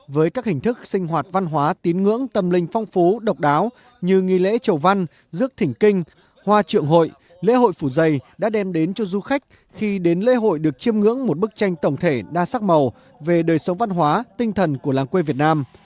với các hình thức sinh hoạt văn hóa tín ngưỡng tâm linh phong phú độc đáo như nghi lễ chầu văn rước thỉnh kinh hoa triệu hội lễ hội phủ dây đã đem đến cho du khách khi đến lễ hội được chiêm ngưỡng một bức tranh tổng thể đa sắc màu về đời sống văn hóa tinh thần của làng quê việt nam